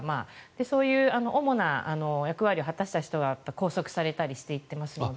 そういう主な役割を果たした人たちが拘束されていったりしているので。